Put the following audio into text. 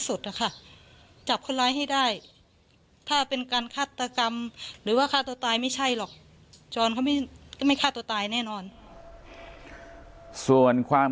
ส่วนความคิดว่าได้ขอประกาศครั้งนี้นะครับ